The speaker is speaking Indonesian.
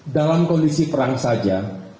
dalam kondisi perang saja